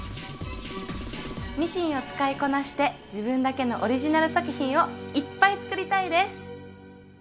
ミシンを使いこなして自分だけのオリジナル作品をいっぱい作りたいです！